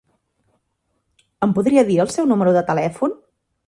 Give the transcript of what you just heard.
Em podria dir el seu número de telèfon?